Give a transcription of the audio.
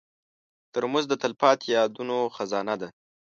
ترموز د تلپاتې یادونو خزانه ده.